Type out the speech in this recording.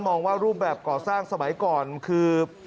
มองว่ารูปแบบก่อสร้างสมัยก่อนคือ